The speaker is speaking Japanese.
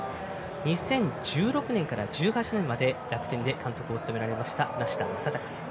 ２０１６年から１８年まで楽天で監督を務められました梨田昌孝さん。